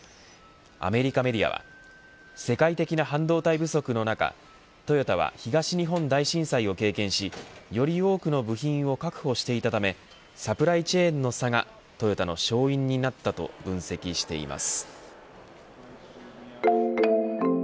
アメリカメディアは世界的な半導体不足の中トヨタは東日本大震災を経験しより多くの部品を確保していたためサプライチェーンの差がトヨタの勝因になったと分析しています。